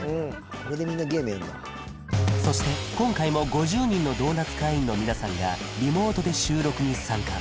これでみんなゲームやるんだそして今回も５０人のドーナツ会員の皆さんがリモートで収録に参加